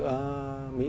mỹ và chúng ta